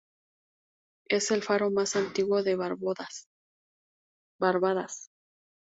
Es el faro más antiguo de Barbados.